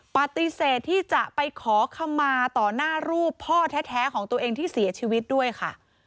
ปฏิเสธที่จะไปขอคำมาต่อหน้ารูปพ่อแท้ของตัวเองที่เสียชีวิตด้วยค่ะ